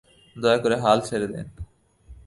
দয়া করে হাল ছেড়ে দিন।